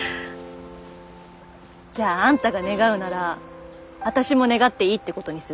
じゃああんたが願うならあたしも願っていいってことにする。